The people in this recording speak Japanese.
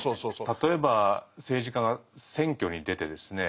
例えば政治家が選挙に出てですね